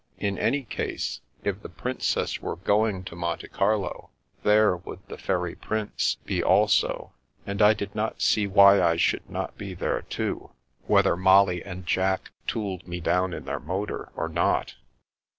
In any case, if the Princess were going to Monte Carlo, there would the Fairy Prince be also, and I did not see why I should not be there too, whether Molly and Jack tooled me down in their motor or not.